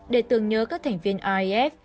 để tưởng nhớ các thành viên raf